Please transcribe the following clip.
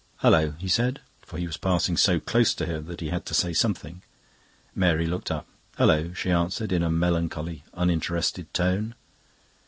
"Hullo!" he said, for he was passing so close to her that he had to say something. Mary looked up. "Hullo!" she answered in a melancholy, uninterested tone.